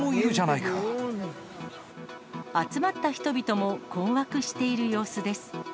集まった人々も困惑している様子です。